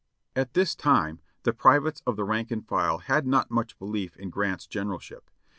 At this time the privates of the rank and file had not much belief in Grant's generalship.